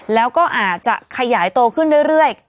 แล้วก็อาจจะขยายโตขึ้นเรื่อย